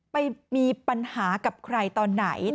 ไปมีปัญหากับใครตอนไหน